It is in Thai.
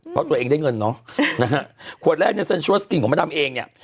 เพราะตัวเองได้เงินเนอะนะฮะขวดแรกเนี้ยกลิ่นของมาดามเองเนี้ย